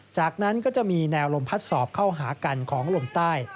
จากนั้นก็จะมีแนวลมพัดสอบเข้าหากันของลมใต้